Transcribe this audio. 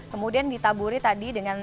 kemudian ditaburi tadi dengan